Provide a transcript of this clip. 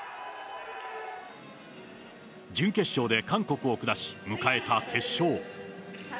準決勝で韓国を下し、迎えた決勝。